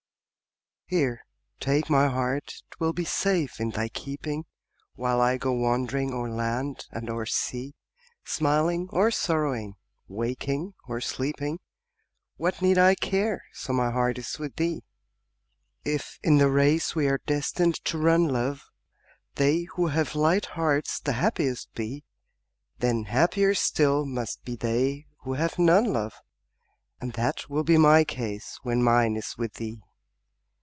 Here, take my heart 'twill be safe in thy keeping, While I go wandering o'er land and o'er sea; Smiling or sorrowing, waking or sleeping, What need I care, so my heart is with thee? If in the race we are destined to run, love, They who have light hearts the happiest be, Then happier still must be they who have none, love. And that will be my case when mine is with thee.